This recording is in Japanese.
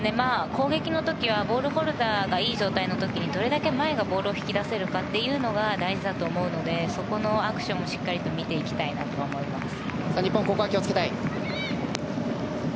攻撃の時はボールホルダーがいい状態の時にどれだけ前がボールを引き出せるかが大事だと思うのでそこのアクションをしっかりと見ていきたいと思います。